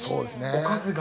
おかずが。